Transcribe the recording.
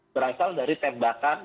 berasal dari tembakan